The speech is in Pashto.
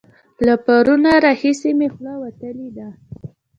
له پرونه راهسې مې خوله وتلې ده.